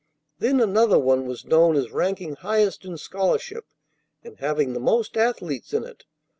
Then another one was known as ranking highest in scholarship and having the most athletes in it.